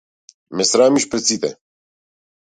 Ме срамиш пред сите.